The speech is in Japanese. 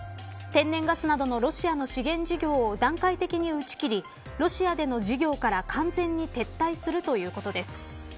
天然ガスなどのロシアの資源事業を段階的に打ち切りロシアでの事業から完全に撤退するということです。